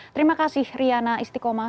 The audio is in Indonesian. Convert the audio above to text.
terima kasih riana istikomah